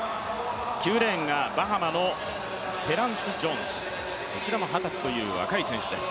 ９レーンがバハマのテランス・ジョーンズ、こちらも二十歳という若い選手です。